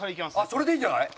それでいいんじゃない？